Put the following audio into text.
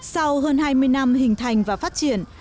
sau hơn hai mươi năm hình thành và phát triển